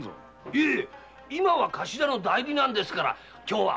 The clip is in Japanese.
いえ今は頭の代理なんですから。今日はお二人の顔合わせ。